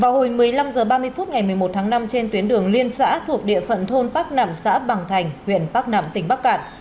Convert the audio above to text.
hồi một mươi năm h ba mươi phút ngày một mươi một tháng năm trên tuyến đường liên xã thuộc địa phận thôn bắc nẵm xã bằng thành huyện bắc nẵm tỉnh bắc cạn